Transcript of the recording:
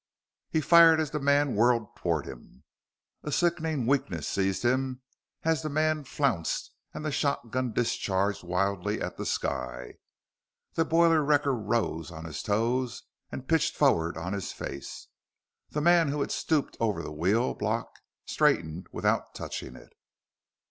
He fired as the man whirled toward him. A sickening weakness seized him as the man flounced and the shotgun discharged wildly at the sky. The boiler wrecker rose on his toes and pitched forward on his face. The man who had stooped over the wheel block straightened without touching it.